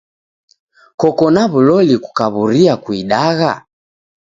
Koko na w'uloli kukaw'uria kuidagha?